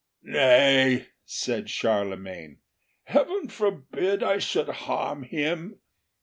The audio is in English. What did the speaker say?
"Nay," said Charlemagne, "Heaven forbid I should harm him.